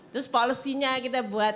terus policy nya kita buat